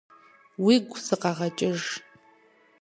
Уигу сыкъэгъэкӀыж.